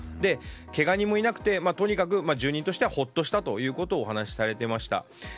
けが人もいなくてとにかく住人としてはほっとしたということをお話しされていました。